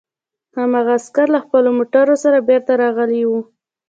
هماغه عسکر له خپلو موټرو سره بېرته راغلي وو